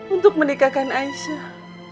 untuk menikahkan aisyah